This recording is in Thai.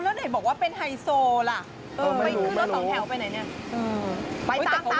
จริงหรือเปล่า